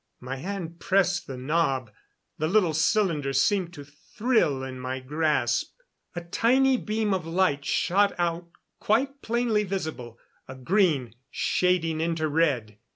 My hand pressed the knob; the little cylinder seemed to thrill in my grasp. A tiny beam of light shot out quite plainly visible a green, shading into red.